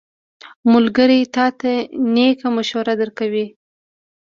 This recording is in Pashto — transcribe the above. ملګری تا ته نېک مشورې درکوي.